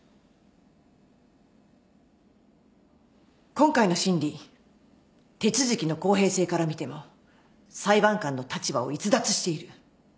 今回の審理手続きの公平性からみても裁判官の立場を逸脱している。